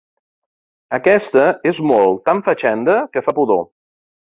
Aquesta és molt tan fatxenda que fa pudor.